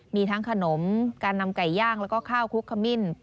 มีทั้งขนมการนำไก่ย่างแล้วก็ข้าวคุกขมิ้น